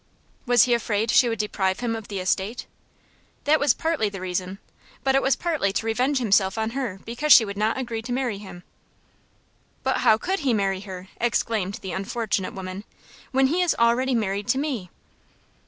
"Was he afraid she would deprive him of the estate?" "That was partly the reason. But it was partly to revenge himself on her because she would not agree to marry him." "But how could he marry her," exclaimed the unfortunate woman, "when he is already married to me?"